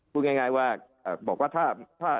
พูดง่ายว่า